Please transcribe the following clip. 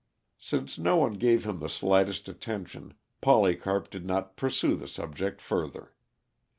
Since no one gave him the slightest attention, Polycarp did not pursue the subject further.